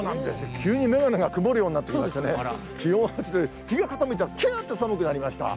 急に眼鏡が曇るようになってきて、日が傾いたら、きゅーんと寒くなりました。